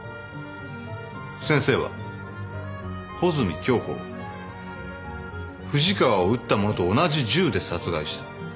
先生は穂積京子を藤川を撃ったものと同じ銃で殺害した。